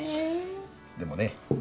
でもね